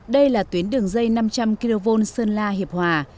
đây là tuyến đường dây năm trăm linh kv sơn la hiệp hòa